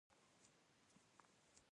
راپور مشوره ورکوونکي ته سپارل کیږي.